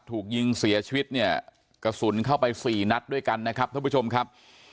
ถูกยิงเสียชีวิตเนี่ยกระสุนเข้าไปสี่นัดด้วยกันนะครับท่านผู้ชมครับ